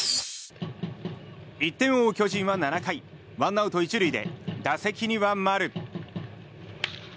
１点を追う巨人は７回ワンアウト１塁で打席には丸。